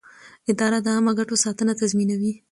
اداره د عامه ګټو ساتنه تضمینوي.